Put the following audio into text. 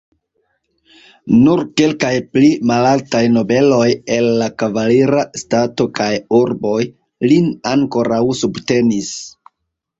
Nur kelkaj pli malaltaj nobeloj el la kavalira stato kaj urboj lin ankoraŭ subtenis.